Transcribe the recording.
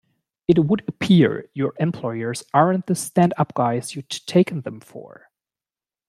It would appear your employers aren't the stand up guys you'd taken them for.